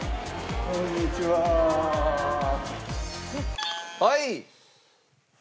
はい！